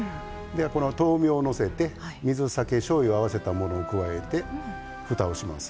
豆苗をのせて水、酒、しょうゆを合わせたものをのせてふたをします。